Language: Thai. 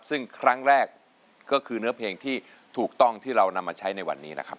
ซึ่งครั้งแรกก็คือเนื้อเพลงที่ถูกต้องที่เรานำมาใช้ในวันนี้นะครับ